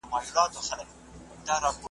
یا دي نه وای شاعر کړی یا دي نه وای بینا کړی ,